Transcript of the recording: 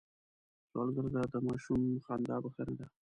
سوالګر ته د ماشوم خندا بښنه ده